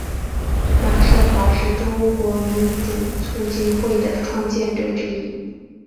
马寿华是中国民主促进会的创建者之一。